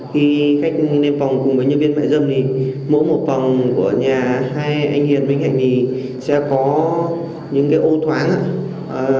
khi khách lên phòng cùng với nhân viên mại dâm thì mỗi một phòng của nhà hai anh hiền với anh hạnh thì sẽ có những ô thoại